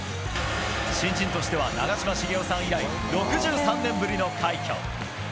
新人としては長嶋茂雄さん以来６３年ぶりの快挙。